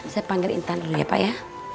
saya panggil intan ya pak ya